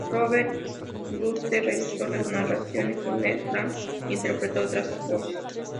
Robert C. Bruce realizó las narraciones, y Mel Blanc interpretó otras voces.